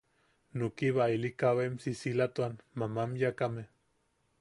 Nukiba ili kabaʼim sisilatuan mamanyakame.